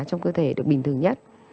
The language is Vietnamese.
trong cơ thể được bình thường nhất